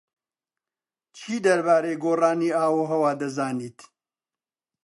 چی دەربارەی گۆڕانی ئاووهەوا دەزانیت؟